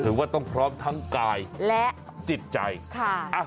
ว่าต้องพร้อมทั้งกายและจิตใจค่ะ